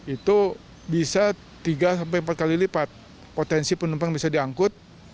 itu bisa tiga empat kali lipat potensi penumpang bisa diangkut